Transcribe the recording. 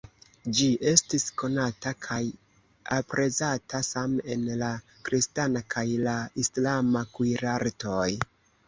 Ĝi estis konata kaj aprezata same en la kristana kaj la islama kuirartoj.